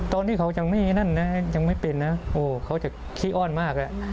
ตอนที่เขายังไม่นั่นนะยังไม่เป็นนะโอ้เขาจะขี้อ้อนมาก